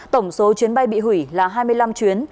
tổng số chuyến bay bị hủy là hai mươi năm chuyến